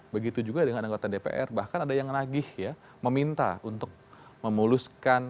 begitu juga dengan anggota dpr bahkan ada yang nagih ya meminta untuk memuluskan